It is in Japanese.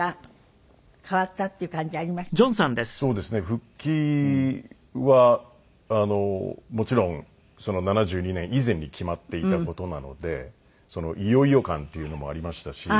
復帰はもちろん１９７２年以前に決まっていた事なのでいよいよ感っていうのもありましたし。